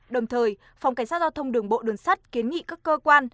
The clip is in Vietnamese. đồng thời phòng cảnh sát giao thông đường bộ đường sắt kiến nghị các cơ quan